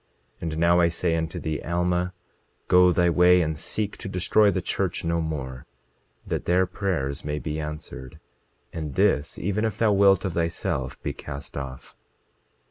And now I say unto thee, Alma, go thy way, and seek to destroy the church no more, that their prayers may be answered, and this even if thou wilt of thyself be cast off.